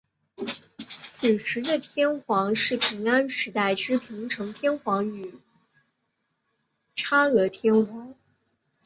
此时的天皇是平安时代之平城天皇与嵯峨天皇。